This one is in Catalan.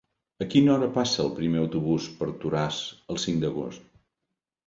A quina hora passa el primer autobús per Toràs el cinc d'agost?